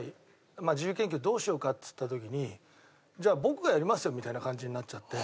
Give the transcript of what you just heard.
まあ自由研究どうしようかっつった時に「じゃあ僕がやりますよ」みたいな感じになっちゃって。